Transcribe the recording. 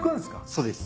そうです。